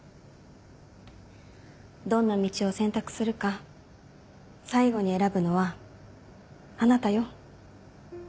どんな道を選択するか最後に選ぶのはあなたよ。